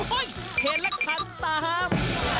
เห้ยเห็นละคันตาม